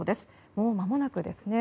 もうまもなくですね。